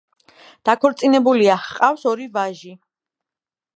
დაქორწინებულია, ჰყავს ორი ვაჟი.